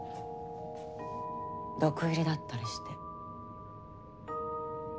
毒入りだったりして。